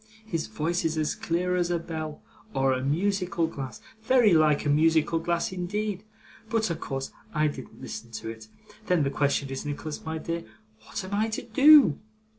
His voice is as clear as a bell or a musical glass very like a musical glass indeed but of course I didn't listen to it. Then, the question is, Nicholas my dear, what am I to do?